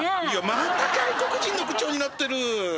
また外国人の口調になってる。